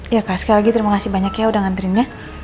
ya kak sekali lagi terima kasih banyak ya udah ngantrinya